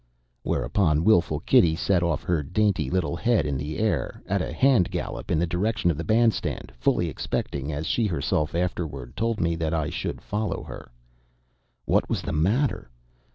Whereupon wilful Kitty set off, her dainty little head in the air, at a hand gallop in the direction of the Bandstand; fully expecting, as she herself afterward told me, that I should follow her. What was the matter?